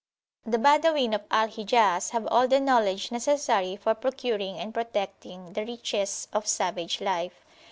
The Badawin of Al Hijaz have all the knowledge necessary for procuring and protecting the riches of savage life.